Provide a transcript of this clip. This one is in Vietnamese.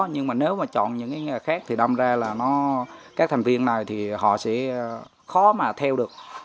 nhưng mà nếu mà chọn những cái nghề khác thì đâm ra là các thành viên này thì họ sẽ khó mà theo được